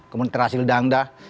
kemudian terhasil dangdah